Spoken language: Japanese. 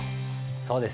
そうです。